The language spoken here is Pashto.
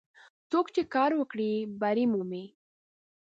څوک چې کار وکړي، بری مومي.